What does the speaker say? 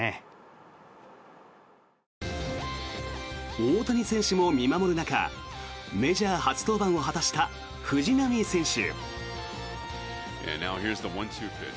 大谷選手も見守る中メジャー初登板を果たした藤波選手。